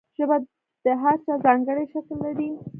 ژبه د هر چا ځانګړی شکل لري.